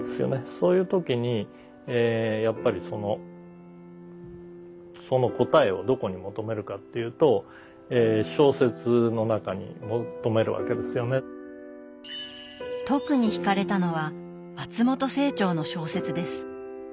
そういう時にやっぱりそのその答えをどこに求めるかというと特にひかれたのは松本清張の小説です。